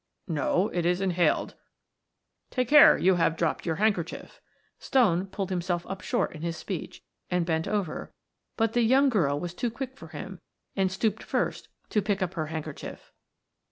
"No, it is inhaled take care, you have dropped your handkerchief." Stone pulled himself up short in his speech, and bent over but the young girl was too quick for him, and stooped first to pick up her handkerchief.